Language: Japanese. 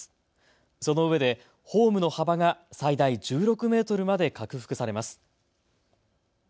そのうえでホームの幅が最大１６メートルまで拡幅されます。